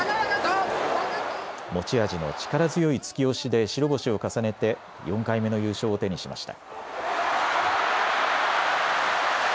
持ち味の力強い突き押しで白星を重ねて４回目の優勝を手にしました。